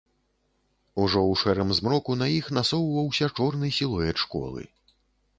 Ужо ў шэрым змроку на іх насоўваўся чорны сілуэт школы.